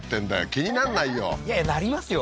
気になんないよいやなりますよ